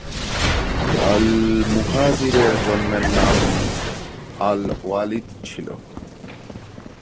আল-মুহাজিরের জন্মের নাম আল-ওয়ালিদ ছিল।